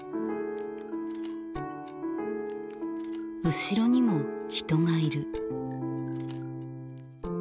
後ろにも人がいる。